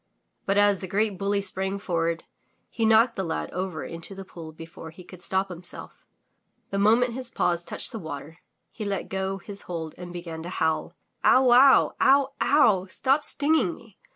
But as the great bully sprang forward, he knocked the lad over into the pool before he could stop himself. The moment his paws touched the water, he let go his hold and began to howl. "Ow wow! Ow! Ow! Stop stinging me!